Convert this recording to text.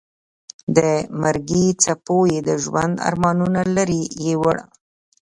د مرګي څپو یې د ژوند ارمانونه لرې یوړل.